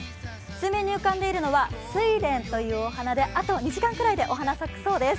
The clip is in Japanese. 水面に浮かんでいるのはスイレンというお花であと２時間くらいで、お花、咲くそうです。